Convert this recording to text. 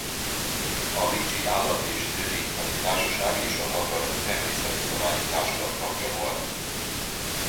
A bécsi Állat- és Növénytani Társaság és a Magyar Természettudományi Társulat tagja volt.